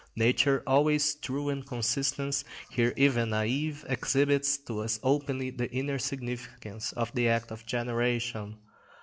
Nature, always true and consistent, here even naïve, exhibits to us openly the inner significance of the act of generation.